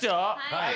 はい。